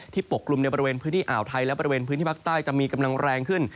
ปกลุ่มในบริเวณพื้นที่อ่าวไทยและบริเวณพื้นที่ภาคใต้จะมีกำลังแรงขึ้น